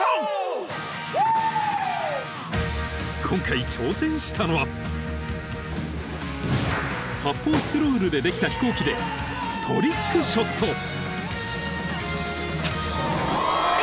［今回挑戦したのは発泡スチロールでできた飛行機でトリックショット］